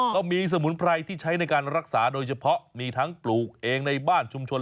ก็มีสมุนไพรที่ใช้ในการรักษาโดยเฉพาะมีทั้งปลูกเองในบ้านชุมชน